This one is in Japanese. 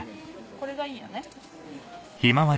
これがいいよね。